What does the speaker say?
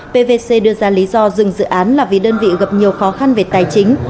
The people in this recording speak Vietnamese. pvc đưa ra lý do dừng dự án là vì đơn vị gặp nhiều khó khăn về tài chính